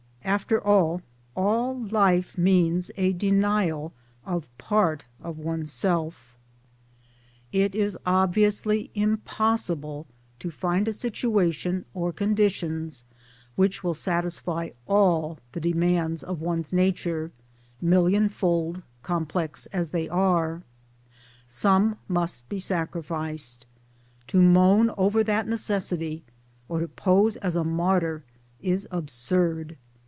After all, all life means a denial of part of oneself. It is 147 148 MY DAYS AND DREAMS obviously impossible to find a situation or conditions which will satisfy all the demands of one's nature millionfold complex as they are. Some must be sacrificed. To moan over that necessity or to pose as a martyr is absurd.